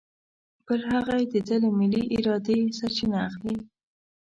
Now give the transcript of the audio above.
بل هغه یې د ده له ملې ارادې سرچینه اخلي.